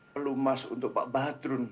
pelumas untuk pak badrun